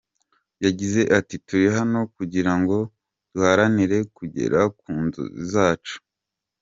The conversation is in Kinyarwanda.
Yagize ati “Turi hano kugira ngo duharanire kugera ku nzozi zacu.